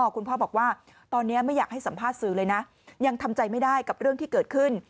คุณพ่อบอกว่าตอนนี้ไม่อยากให้สัมภาษณ์สื่อเลยนะยังทำใจไม่ได้กับเรื่องที่เกิดขึ้น